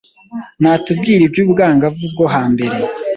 natubwire iby’ubwangavu bwo hambere.